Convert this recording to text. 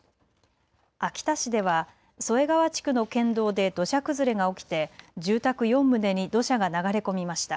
秋田市では添川地区の県道で土砂崩れが起きて住宅４棟に土砂が流れ込みました。